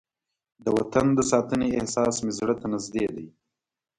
د وطن د ساتنې احساس مې زړه ته نږدې دی.